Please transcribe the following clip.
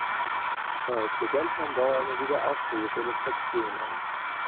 Schon als Student nahm Bauer immer wieder Aufträge für Illustrationen an.